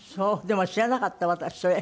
でも知らなかった私それ。